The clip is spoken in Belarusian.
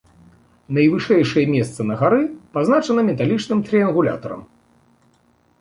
Найвышэйшае месца на гары пазначана металічным трыянгулятарам.